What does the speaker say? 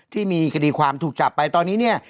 ที่มีคดีความถูกจับไปตอนนี้เนี่ย